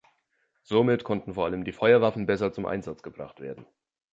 Somit konnten vor allem die Feuerwaffen besser zum Einsatz gebracht werden.